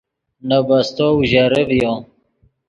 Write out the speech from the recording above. نے بستو اوژرے ڤیو